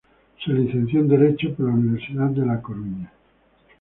Se licenció en Derecho por la Universidad de la Coruña.